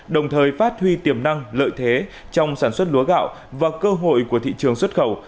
đồng thời phát huy tiềm năng lợi thế trong sản xuất lúa gạo và cơ hội của thị trường xuất khẩu